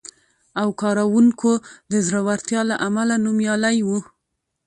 او کارونکو د زړورتیا له امله نومیالی و،